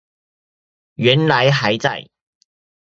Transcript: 原來還在